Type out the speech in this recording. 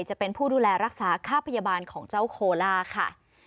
จะเป็นผู้ดูแลรักษาค่าพยาบาลของเจ้าโคล่าค่ะ